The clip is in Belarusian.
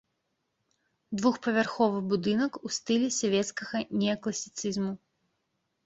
Двухпавярховы будынак у стылі савецкага неакласіцызму.